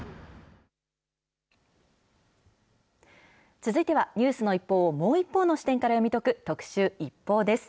続いては、ニュースの一報をもう一方の視点から読み解く特集、ＩＰＰＯＵです。